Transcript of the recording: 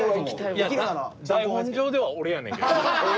台本上では俺やねんけど。